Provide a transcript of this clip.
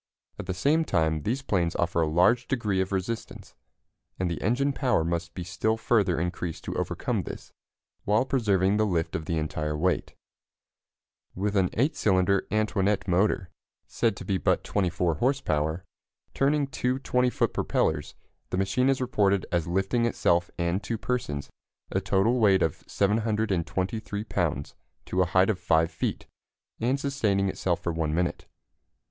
At the same time these planes offer a large degree of resistance, and the engine power must be still further increased to overcome this, while preserving the lift of the entire weight. With an 8 cylinder Antoinette motor, said to be but 24 horse power, turning two 20 foot propellers, the machine is reported as lifting itself and two persons a total weight of 723 pounds to a height of 5 feet, and sustaining itself for 1 minute.